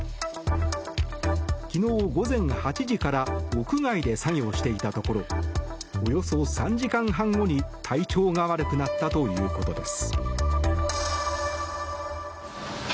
昨日午前８時から屋外で作業していたところおよそ３時間半後に、体調が悪くなったということです。